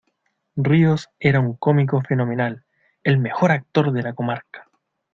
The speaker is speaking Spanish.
Ríos era un cómico fenomenal, ¡el mejor actor de la comarca!